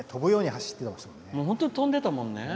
本当に飛んでたもんね。